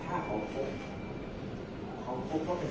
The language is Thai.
แต่ว่าไม่มีปรากฏว่าถ้าเกิดคนให้ยาที่๓๑